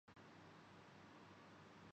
ان کی تعداد بڑھتی اور گھٹتی رہتی ہے